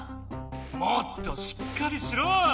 もっとしっかりしろ！